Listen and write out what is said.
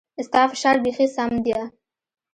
ستا فشار بيخي سم ديه.